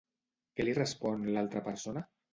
Què li respon l'altra persona?